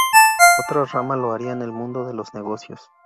Otra rama lo haría en el mundo de los negocios.